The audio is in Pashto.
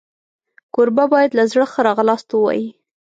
کوربه باید له زړه ښه راغلاست ووایي.